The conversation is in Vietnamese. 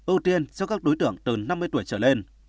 ưu tiên cho các đối tượng từ năm mươi tuổi trở lên